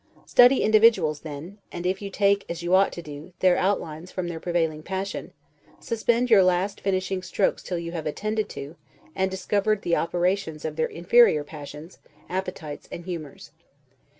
Study individuals then, and if you take (as you ought to do,) their outlines from their prevailing passion, suspend your last finishing strokes till you have attended to, and discovered the operations of their inferior passions, appetites, and humors.